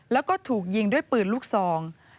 แล้วก็ถูกยิงด้วยปืนลูกซอง